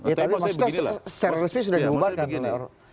ya tapi maksudnya secara resmi sudah dibubarkan